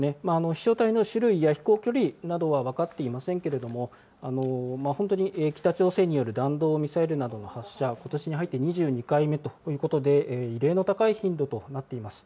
飛しょう体の種類や飛行距離などは分かっていませんけれども、本当に北朝鮮による弾道ミサイルなどの発射、ことしに入って２２回目ということで、異例の高い頻度となっています。